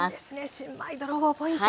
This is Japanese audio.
新米泥棒ポイント